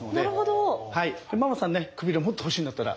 ママさんねくびれもっと欲しいんだったら。